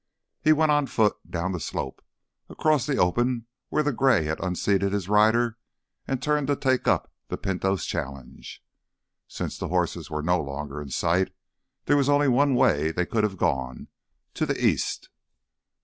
He went on foot, down the slope, across the open where the gray had unseated his rider and turned to take up the Pinto's challenge. Since the horses were no longer in sight, there was only one way they could have gone—to the east.